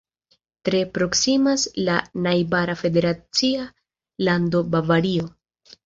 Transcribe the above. Tre proksimas la najbara federacia lando Bavario.